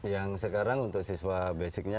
yang sekarang untuk siswa basicnya